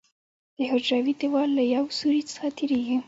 د حجروي دیوال له یو سوري څخه تېریږي.